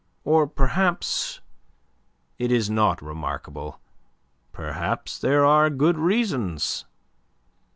Or perhaps it is not remarkable. Perhaps there are good reasons.